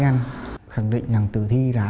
anh đi đâu ạ